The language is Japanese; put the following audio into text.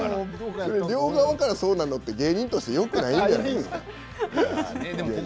両側からそうって芸人としてよくないんじゃない？